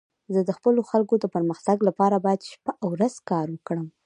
زه د خپلو خلکو د پرمختګ لپاره باید شپه او ورځ کار وکړم.